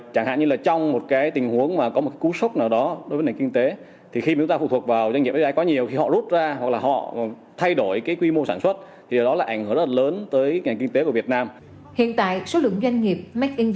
chẳng hạn như là trong một cái tình huống mà có một cú sốc nào đó đối với nền kinh tế thì khi chúng ta phụ thuộc vào doanh nghiệp fdi quá nhiều khi họ rút ra hoặc là họ thay đổi cái quy mô sản xuất thì đó là ảnh hưởng rất là lớn